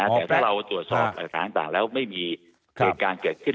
แต่ถ้าเราตรวจสอบหลักฐานต่างแล้วไม่มีเหตุการณ์เกิดขึ้น